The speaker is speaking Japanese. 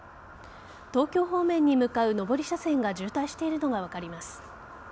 東京方面に向かう上り車線が渋滞しているのが分かります。